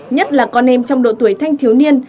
nhất là con em trong độ tuổi thanh thiếu niên